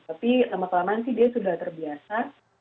tapi sama kelemahan sih dia sudah terbiasa